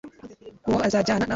uwo azajyana nawe